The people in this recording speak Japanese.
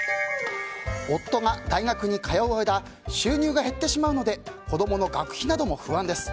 夫が、大学に通う間収入が減ってしまうので子供の学費なども不安です。